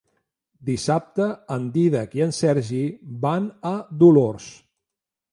Dissabte en Dídac i en Sergi van a Dolors.